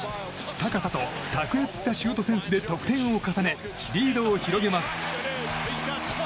高さと卓越したシュートセンスで得点を重ね、リードを広げます。